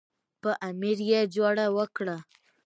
په امر یې جوړه وکړه.